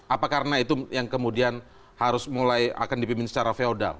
apa karena itu yang kemudian harus mulai akan dipimpin secara feodal